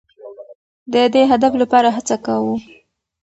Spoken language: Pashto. د دې هدف لپاره هڅه کوو.